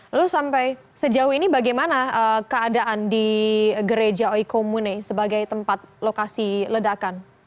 lalu sampai sejauh ini bagaimana keadaan di gereja oikomune sebagai tempat lokasi ledakan